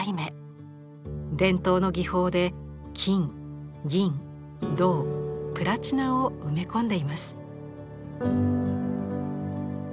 伝統の技法で金銀銅プラチナを埋め込んでいます。